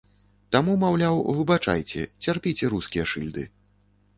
Таму, маўляў, выбачайце, цярпіце рускія шыльды.